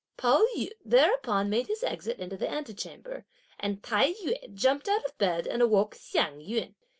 Pao yü thereupon made his exit into the ante chamber, and Tai yü jumped out of bed, and awoke Hsiang yün.